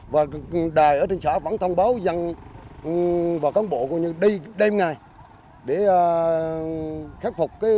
và đài ở trên xã vẫn thông báo dân và công bộ như đi đêm ngày để khắc phục thiên tai lũ lụt